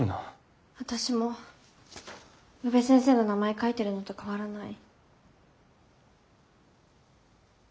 私も宇部先生の名前書いてるのと変わらない。